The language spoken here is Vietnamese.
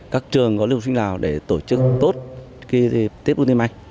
các trường có lưu học sinh lào để tổ chức tốt tết bung pim may